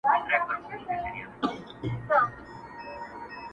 سپرېدل به پر ښايستو مستو آسونو!!